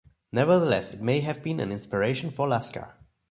Nevertheless it may have been an inspiration for Lasker.